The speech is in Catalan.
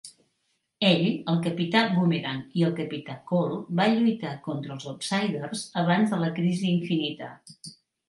Ell, el capità Boomerang i el capità Cold van lluitar contra els Outsiders abans de la "crisi infinita".